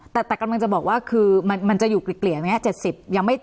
แต่กำลังจะบอกว่าคือมันจะอยู่เกลียดอย่างนี้๗๐